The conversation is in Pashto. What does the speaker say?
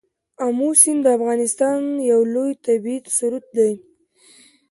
آمو سیند د افغانستان یو لوی طبعي ثروت دی.